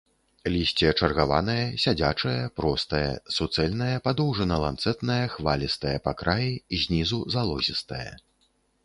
Лісце чаргаванае, сядзячае, простае, суцэльнае, падоўжана-ланцэтнае, хвалістае па краі, знізу залозістае.